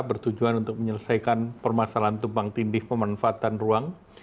bertujuan untuk menyelesaikan permasalahan tumpang tindih pemanfaatan ruang